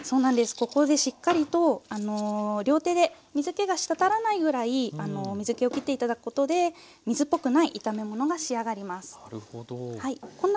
ここでしっかりと両手で水けが滴らないぐらい水けを切って頂くことで水っぽくない炒め物が仕上がります。